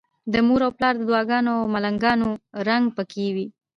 د مور او پلار د دعاګانو او ملنګانو رنګ پکې وي.